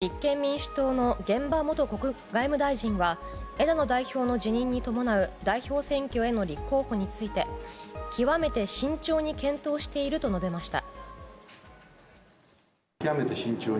立憲民主党の玄葉元外務大臣は枝野代表の辞任に伴う代表選挙への立候補について極めて慎重に検討していると述べました。